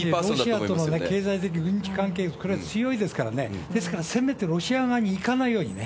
ロシアとの経済的、軍事関係、これ、強いですからね、ですから、せめてロシア側に行かないようにね、